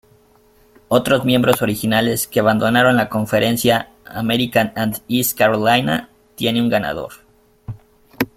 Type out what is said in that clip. Otros miembros originales que abandonaron la conferencia, American and East Carolina, tiene un ganador.